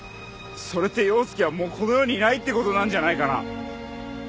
それって陽介はもうこの世にいないって事なんじゃないかな？